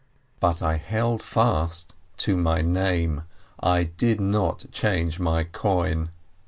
But I held fast to my name ! I did not change my coin.